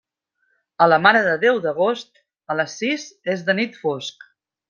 A la Mare de Déu d'Agost, a les sis és de nit fosc.